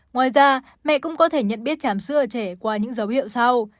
ngoài ra mẹ cũng có thể nhận biết chàm sữa trẻ qua những dấu hiệu sau